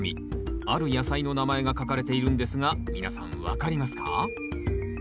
ある野菜の名前が書かれているんですが皆さん分かりますか？